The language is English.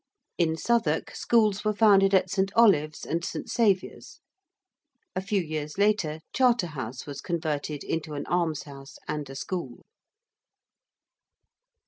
In Southwark, schools were founded at St. Olave's and St. Saviour's. A few years later Charterhouse was converted into an almshouse and a school.